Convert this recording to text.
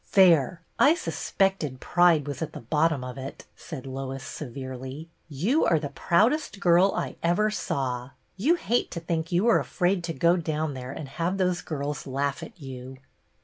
" There ! I suspected pride was at the bottom of it," said Lois, severely. "You are the proudest girl I ever saw. You hate to think you are afraid to go down there and have those girls laugh at you."